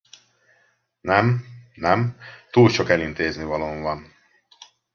Nem, nem, túl sok elintéznivalóm van.